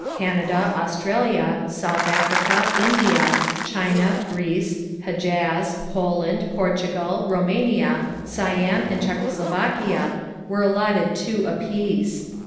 Canada, Australia, South Africa, India, China, Greece, Hedjaz, Poland, Portugal, Rumania, Siam, and Czechoslovakia were allotted two apiece.